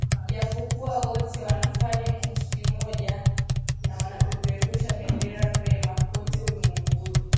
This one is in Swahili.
japokuwa wote wanafanya kitu kimoja na wanapeperusha bendera vyema kote ulimwenguni